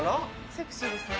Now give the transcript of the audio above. セクシーですね。